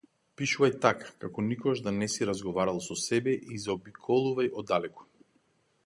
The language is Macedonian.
Пишувај така, како никогаш да не си разговарал со себе и заобиколувај оддалеку.